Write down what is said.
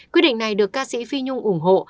quyết định này được ca sĩ phi nhung ủng hộ